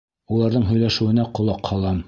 Уларҙың һөйләшеүенә ҡолаҡ һалам.